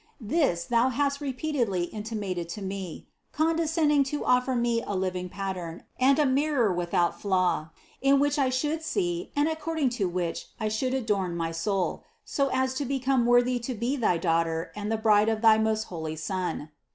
This Thou hast repeatedly intimated to me, condescending to offer me a living pattern and a mirror without flaw, in which I should see and according to which I should adorn my soul, so as to become worthy to be thy daughter and the bride of thy most holy Son.